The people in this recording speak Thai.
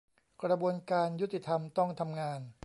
กระบวนยุติธรรมต้องทำงาน